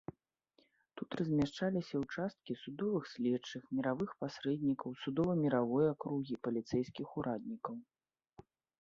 Тут размяшчаліся ўчасткі судовых следчых, міравых пасрэднікаў, судова-міравой акругі, паліцэйскіх ураднікаў.